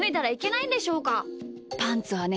パンツはね